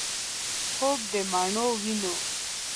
خوب دمڼو وویني